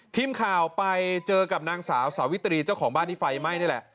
ทีมข่าวไปเจอกับนางสาวสาวิตรีเจ้าของบ้านที่ไฟไหม้นี่แหละ